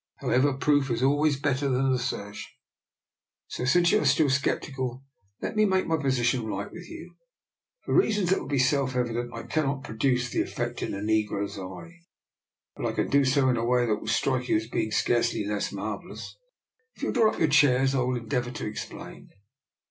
How ever, proof is always better than assertion, so, since you are still sceptical, let me make my position right with you. For reasons that will be self evident I cannot produce the effect in a negro's eye, but I can do so in a way that will strike you as being scarcely less marvellous. If you will draw up your chairs I will endeavour to explain."